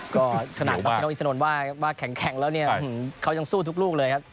ก็ขนาดว่าแข็งแข็งแล้วเนี่ยเขายังสู้ทุกลูกเลยครับ